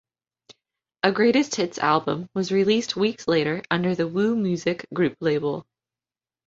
A Greatest Hits album was released weeks later under the WuMusic Group label.